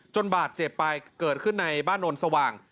บาดเจ็บไปเกิดขึ้นในบ้านโนนสว่าง